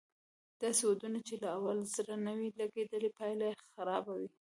داسې ودونه چې له اوله زړه نه وي لګېدلی پايله یې خرابه وي